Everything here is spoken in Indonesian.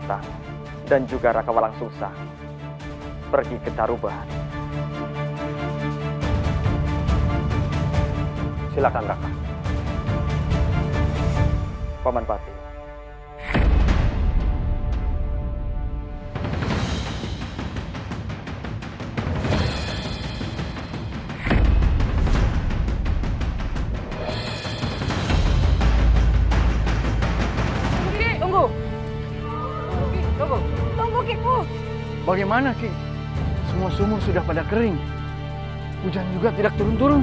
tunggu tunggu tunggu bagaimana semua semua sudah pada kering hujan juga tidak turun turun